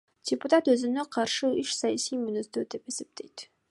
Депутат өзүнө каршы иш саясий мүнөздүү деп эсептейт.